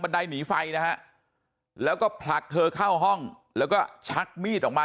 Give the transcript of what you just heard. ไดหนีไฟนะฮะแล้วก็ผลักเธอเข้าห้องแล้วก็ชักมีดออกมา